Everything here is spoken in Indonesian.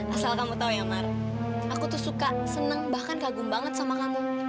asal kamu tau ya mar aku tuh suka senang bahkan kagum banget sama kamu